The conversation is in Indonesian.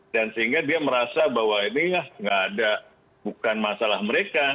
dan sehingga dia merasa bahwa ini nggak ada bukan masalah mereka